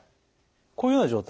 こういうような状態。